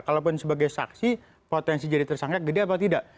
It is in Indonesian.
kalaupun sebagai saksi potensi jadi tersangkak gede atau tidak